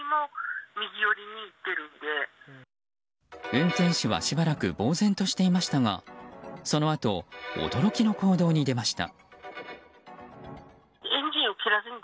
運転手は、しばらくぼう然としていましたがそのあと、驚きの行動に出ました。